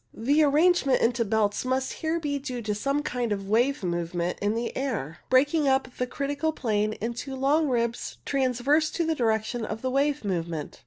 The arrangement into belts must here be due to some kind of wave movement in the air, breaking up the critical plane into long ribs trans verse to the direction of the wave movement.